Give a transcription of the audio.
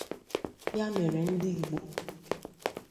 Ya mere ndị Igbo